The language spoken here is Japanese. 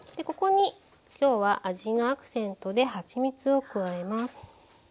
ここにきょうは味のアクセントではちみつを加えます。